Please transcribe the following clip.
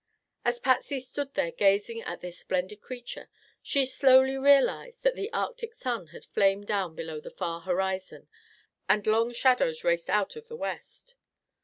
As Patsy stood there gazing at this splendid creature, she slowly realized that the Arctic sun had flamed down below the far horizon and long shadows raced out of the West.